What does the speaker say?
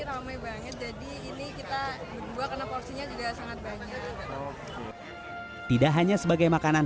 ramai banget jadi ini kita berdua karena porsinya juga sangat banyak tidak hanya sebagai makanan